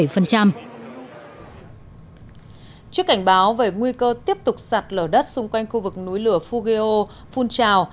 trước cảnh báo về nguy cơ tiếp tục sạt lở đất xung quanh khu vực núi lửa fugeo phun trào